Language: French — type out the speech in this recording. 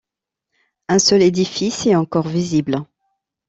Un seul édifice est encore visible.